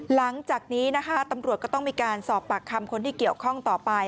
หลังจากนี้นะคะตำรวจก็ต้องมีการสอบปากคำคนที่เกี่ยวข้องต่อไป